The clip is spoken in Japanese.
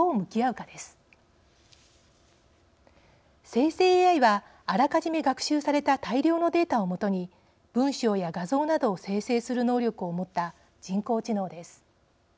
生成ＡＩはあらかじめ学習された大量のデータをもとに文章や画像などを生成する能力を持った人工知能です。